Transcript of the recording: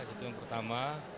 itu yang pertama